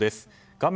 画面